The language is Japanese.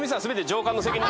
上官の責任。